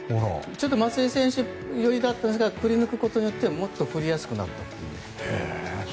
松井選手寄りだったんですがくり抜くことでもっと振りやすくなったという。